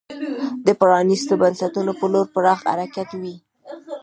د پرانیستو بنسټونو په لور پراخ حرکت وي.